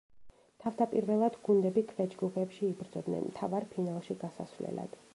თავდაპირველად გუნდები ქვეჯგუფებში იბრძოდნენ მთავარ ფინალში გასასვლელად.